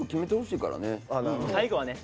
最後はね。